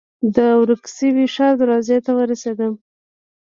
د ورک شوي ښار دروازې ته ورسېدم.